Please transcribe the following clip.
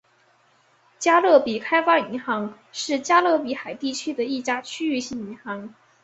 加勒比开发银行是加勒比海地区的一家区域性银行。